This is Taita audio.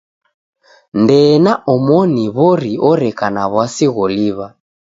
Ndee na omoni w'ori oreka na w'asi gholiw'a.